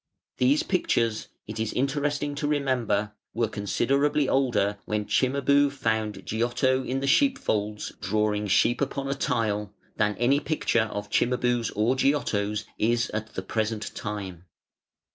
These pictures, it is interesting to remember, were considerably older when Cimabue found Giotto in the sheepfolds drawing sheep upon a tile, than any picture of Cimabue's or Giotto's is at the present time.